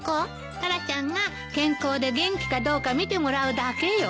タラちゃんが健康で元気かどうか診てもらうだけよ。